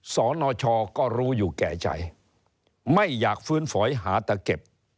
สนชก็รู้อยู่แก่ใจไม่อยากฟื้นฝอยหาแต่เก็บ